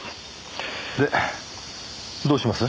でどうします？